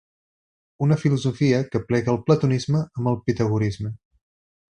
Una filosofia que aplega el platonisme amb el pitagorisme.